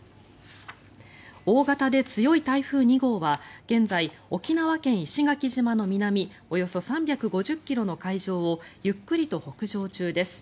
大型で強い台風２号は現在沖縄県・石垣島の南およそ３５０ｋｍの海上をゆっくりと北上中です。